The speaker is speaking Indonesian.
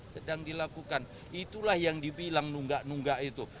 sedang dilakukan itulah yang dibilang nunggak nunggak itu